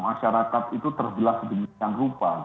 masyarakat itu terbelah sedemikian rupa